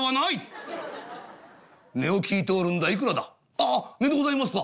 「ああ値でございますか。